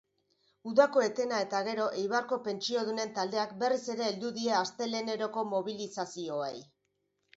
Udako etena eta gero, Eibarko Pentsiodunen Taldeak berriz ere heldu die asteleheneroko mobilizazioei.